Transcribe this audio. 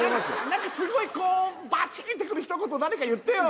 何かすごいこうバチンってくる一言誰か言ってよ